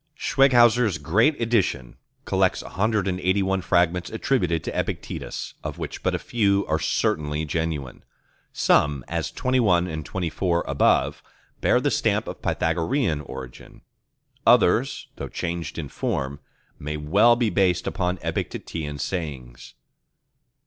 —Schweighæuser's great edition collects 181 fragments attributed to Epictetus, of which but a few are certainly genuine. Some (as xxi., xxiv., above) bear the stamp of Pythagorean origin; others, though changed in form, may well be based upon Epictetean sayings.